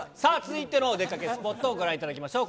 ではお出かけスポットをご覧いただきましょう。